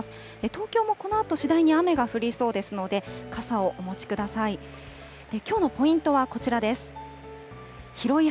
東京もこのあと次第に雨が降りそうですので、傘をお持ちください。